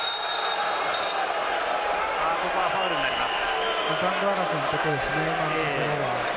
ここはファウルになります。